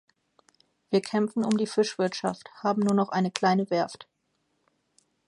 Wir kämpfen um die Fischwirtschaft, haben nur noch eine kleine Werft.